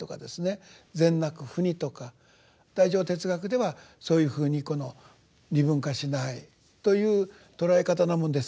「善悪不二」とか大乗哲学ではそういうふうにこの二分化しないという捉え方なもんですから。